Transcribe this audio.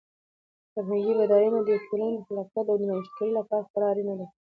فرهنګي بډاینه د یوې ټولنې د خلاقیت او د نوښتګرۍ لپاره خورا اړینه ده.